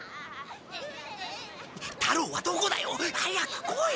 太郎はどこだよ？早く来い。